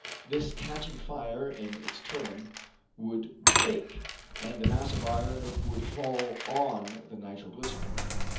This catching fire in its turn, would break, and the mass of iron would fall on the nitro glycerine.